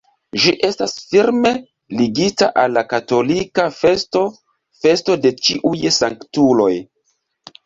Ĝi estas firme ligita al la katolika festo festo de ĉiuj sanktuloj.